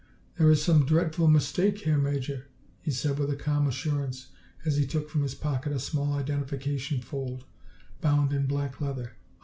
"There is some dreadful mistake here, Major," he said with a calm assurance as he took from his pocket a small identification fold, bound in black leather.